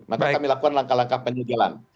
maka kami lakukan langkah langkah penyegelan